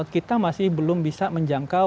kita masih belum bisa menjangkau